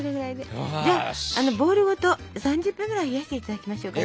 じゃあボウルごと３０分ぐらい冷やしていただきましょうかね。